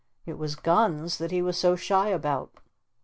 It was guns that he was so shy about.